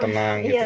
tenang gitu ya